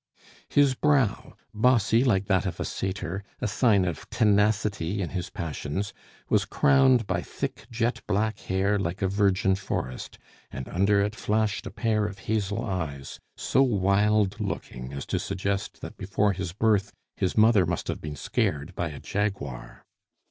His brow, bossy like that of a satyr, a sign of tenacity in his passions, was crowned by thick jet black hair like a virgin forest, and under it flashed a pair of hazel eyes, so wild looking as to suggest that before his birth his mother must have been scared by a jaguar.